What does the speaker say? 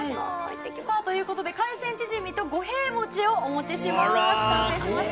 ということで海鮮チヂミと五平餅をお持ちします。完成しました！